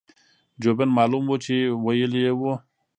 جوبن معلوم وو چې وييلي يې وو-